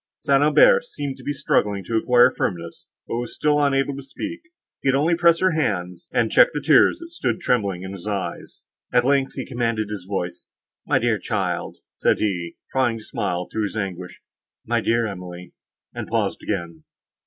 St. Aubert seemed struggling to acquire firmness, but was still unable to speak; he could only press her hand, and check the tears that stood trembling in his eyes. At length he commanded his voice, "My dear child," said he, trying to smile through his anguish, "my dear Emily!"—and paused again.